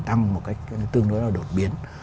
tăng một cách tương đối là đột biến